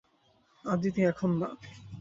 আদিতি, এখন না!